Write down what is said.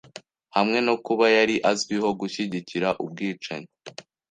hamwe no kuba yari azwiho gushyigikira ubwicanyi